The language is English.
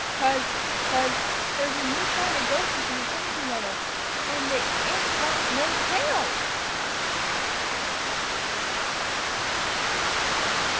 'Cause 'cause there's a new kind of gophers in the timothy meadow, _and they ain't got tails!